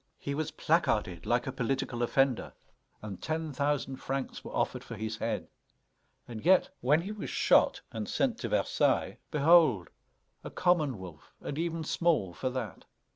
He was placarded like a political offender, and ten thousand francs were offered for his head. And yet, when he was shot and sent to Versailles, behold! a common wolf, and even small for that.